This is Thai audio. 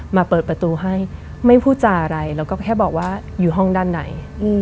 เปิดประตูให้ไม่พูดจาอะไรแล้วก็แค่บอกว่าอยู่ห้องด้านไหน